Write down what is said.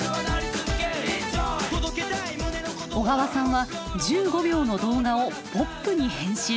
小川さんは１５秒の動画をポップに編集。